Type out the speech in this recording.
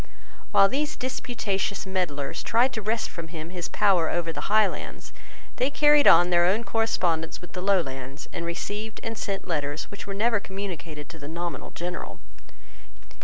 While these disputatious meddlers tried to wrest from him his power over the Highlands, they carried on their own correspondence with the Lowlands, and received and sent letters which were never communicated to the nominal General.